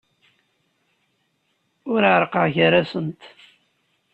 Ur ɛerrqeɣ gar-asent.